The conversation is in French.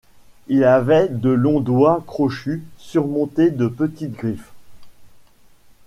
Il avait de longs doigts crochus surmontés de petites griffes.